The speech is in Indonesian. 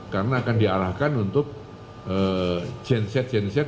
karena akan dialahkan untuk genset genset